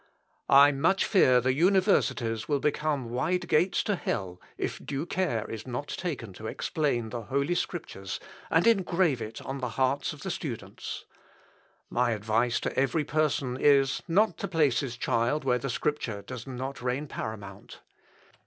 ] "I much fear the universities will become wide gates to hell, if due care is not taken to explain the Holy Scriptures, and engrave it on the hearts of the students. My advice to every person is, not to place his child where the Scripture does not reign paramount.